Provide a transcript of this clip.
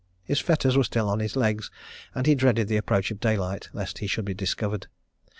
His fetters were still on his legs, and he dreaded the approach of daylight lest he should be discovered.